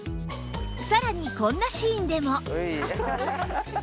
さらにこんなシーンでも